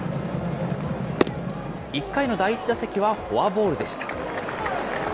１回の第１打席はフォアボールでした。